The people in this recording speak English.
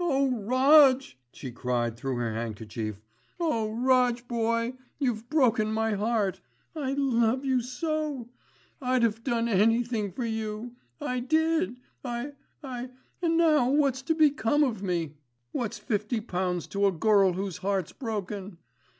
"Oh, Roj," she cried through her handkerchief. "Oh! Roj boy, you've broken my heart. I love you so. I'd 'ave done anything for you. I did. I—I—an' now what's to become of me? What's fifty pounds to a gurl whose heart's broken?